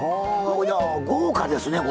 豪華ですね、これ。